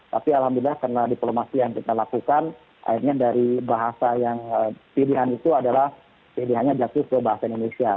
tapi alhamdulillah karena diplomasi yang kita lakukan akhirnya dari bahasa yang pilihan itu adalah pilihannya jatuh ke bahasa indonesia